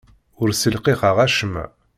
Ur ssilqiqeɣ acemma.